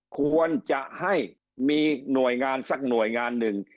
ควรจะให้มีหน่วยงานสักหน่วยงานหนึ่ง